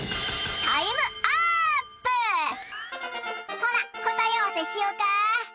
ほなこたえあわせしよか！